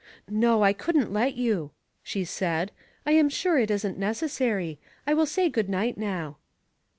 "No, I couldn't let you," she said. "I am sure it isn't necessary. I will say good night now."